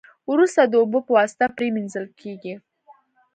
وروسته د اوبو په واسطه پری مینځل کیږي.